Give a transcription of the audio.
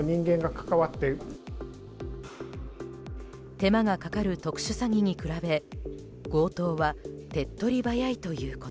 手間がかかる特殊詐欺に比べ強盗は手っ取り早いということ。